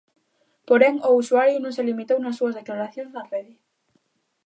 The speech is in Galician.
Porén, o usuario non se limitou nas súas declaracións na rede.